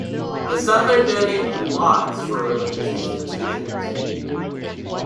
The Southern donated lots for religious institutions.